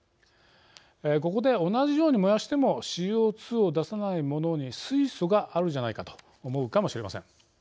ここで、同じように燃やしてもＣＯ２を出さないものに水素があるじゃないかと思うかもしれません。